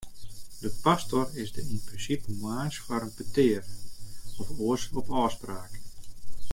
De pastor is der yn prinsipe moarns foar in petear, of oars op ôfspraak.